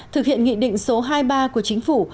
thực hiện nghị định số hai mươi ba của chính phủ